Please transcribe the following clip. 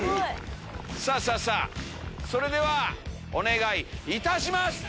さぁさぁさぁそれではお願いいたします！